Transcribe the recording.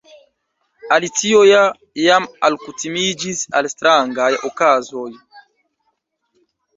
Alicio ja jam alkutimiĝis al strangaj okazoj.